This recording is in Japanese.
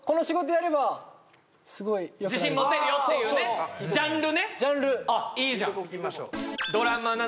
自信持てるよっていうねジャンルねあっいいじゃん